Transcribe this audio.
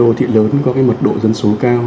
các đô thị lớn có mật độ dân số cao